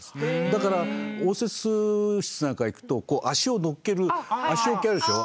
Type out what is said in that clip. だから応接室なんか行くとこう足を乗っける足置きあるでしょ。